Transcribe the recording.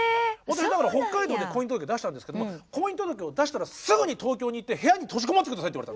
私北海道で婚姻届出したんですけど「婚姻届を出したらすぐに東京に行って部屋に閉じこもってください」って。